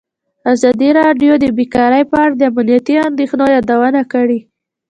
ازادي راډیو د بیکاري په اړه د امنیتي اندېښنو یادونه کړې.